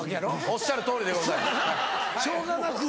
おっしゃる通りでございます。